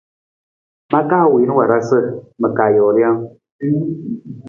Ma ka wiin warasa, ma ka joo rijang.